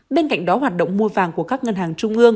bên cạnh đó hoạt động mua vàng của các ngân hàng